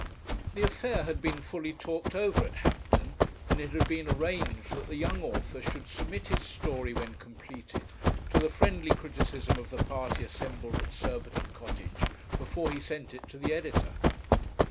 The affair had been fully talked over at Hampton, and it had been arranged that the young author should submit his story, when completed, to the friendly criticism of the party assembled at Surbiton Cottage, before he sent it to the editor.